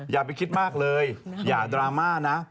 อย่าไปคิดมากเลยอย่าดราม่านะ